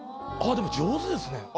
あぁでも上手ですね。